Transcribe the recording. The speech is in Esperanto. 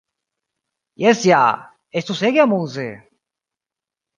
Jes ja! Estus ege amuze!